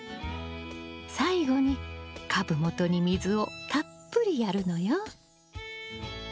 最後に株元に水をたっぷりやるのよ。